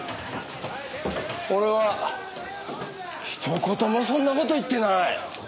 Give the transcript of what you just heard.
俺はひと言もそんな事言ってない。